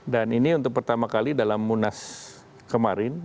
dan ini untuk pertama kali dalam munas kemarin